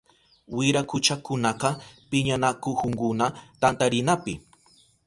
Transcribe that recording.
Wirakuchakunaka piñanakuhunkuna tantarinapi.